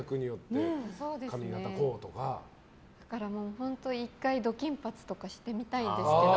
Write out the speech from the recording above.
本当、１回ド金髪とかしてみたいんですけど。